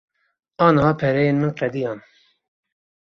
Aniha pereyên min qediyan.